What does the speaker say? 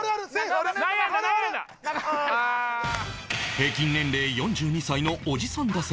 平均年齢４２歳のおじさん打線は